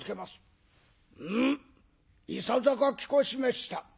「うん。いささかきこしめした。